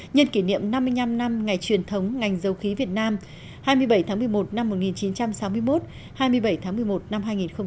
nhân kỷ niệm năm mươi năm năm ngày truyền thống ngành dầu khí việt nam hai mươi bảy tháng một mươi một năm một nghìn chín trăm sáu mươi một hai mươi bảy tháng một mươi một năm hai nghìn hai mươi